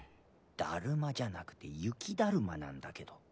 だるまじゃなくて雪だるまなんだけど。